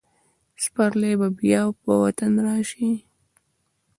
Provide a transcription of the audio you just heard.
سپرلی به بیا په وطن راشي.